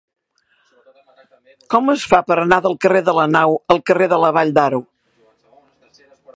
Com es fa per anar del carrer de la Nau al carrer de la Vall d'Aro?